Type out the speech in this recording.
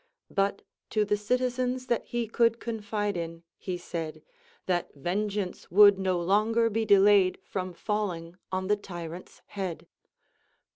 But to the citizens that he could confide in he said, that vengeance Avould no longer be delayed from falling on the tyrant's head.